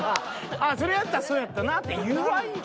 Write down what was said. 「ああそれやったらそうやったな」って言わんよ。